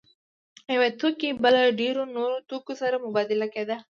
یو توکی به له ډېرو نورو توکو سره مبادله کېده